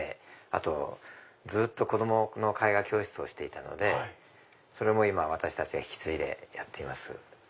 あとずっと子供の絵画教室をしていたのでそれも今私たちが引き継いでやっています。